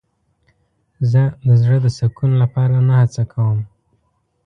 زه د زړه د سکون لپاره نه هڅه کوم.